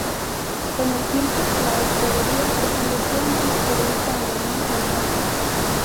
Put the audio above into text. Con el tiempo la hospedería se convirtió en una ermita en honor al Santo.